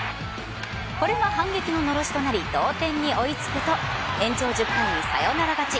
これが反撃ののろしとなり同点に追いつくと延長１０回にサヨナラ勝ち。